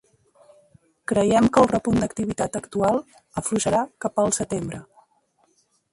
Creiem que el repunt d’activitat actual afluixarà cap al setembre.